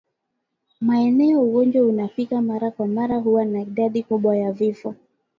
Maeneo ugonjwa unafika mara kwa mara huwa na idadi kubwa ya vifo